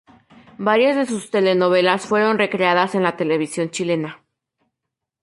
Varias de sus telenovelas fueron recreadas en la televisión chilena.